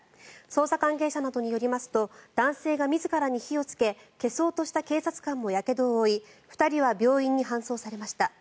捜査関係者などによりますと男性が自らに火をつけ消そうとした警察官もやけどを負い２人は病院に搬送されました。